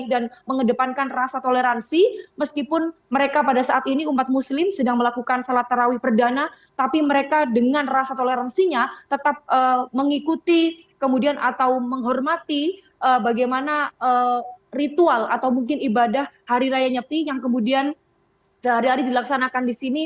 dan mengedepankan rasa toleransi meskipun mereka pada saat ini umat muslim sedang melakukan sholat tarawih perdana tapi mereka dengan rasa toleransinya tetap mengikuti kemudian atau menghormati bagaimana ritual atau mungkin ibadah hari raya nyeti yang kemudian sehari hari dilaksanakan di sini